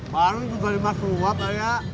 baru sudah lima seluap alia